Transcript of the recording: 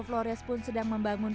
flores pun sedang membangun